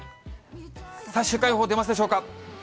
さあ、週間予報、出ますでしょうか？